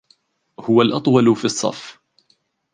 هو الأطول في الصف.